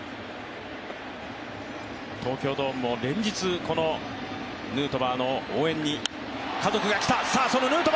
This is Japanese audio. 東京ドームも連日、ヌートバーの応援に家族が来た。